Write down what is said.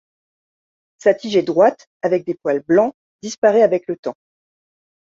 Sa tige est droite, avec des poils blancs qui disparaît avec le temps.